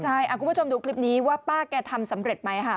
ใช่คุณผู้ชมดูคลิปนี้ว่าป้าแกทำสำเร็จไหมค่ะ